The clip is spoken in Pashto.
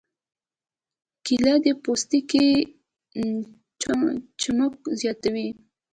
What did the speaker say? کېله د پوستکي چمک زیاتوي.